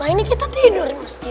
nah ini kita tidur di masjid